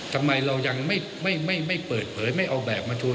ทำไมเรายังไม่เปิดเผยไม่เอาแบบมาทัว